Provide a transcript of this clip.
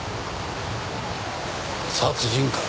殺人か。